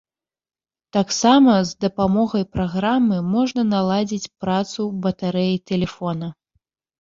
Таксама з дапамогай праграмы можна наладзіць працу батарэі тэлефона.